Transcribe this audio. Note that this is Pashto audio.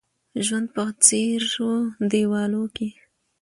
ژوند په څيرو دېوالو کې